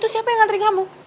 siapa yang ngantri kamu